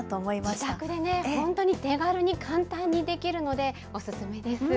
自宅でね、本当に手軽に簡単にできるので、お勧めです。